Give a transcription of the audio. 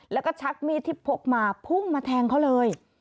แล้วก็ชักมีดที่พกมาพุ่งมาแทงเขาเลย